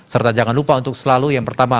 serta jangan lupa untuk selalu yang pertama